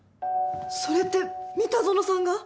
それって三田園さんが？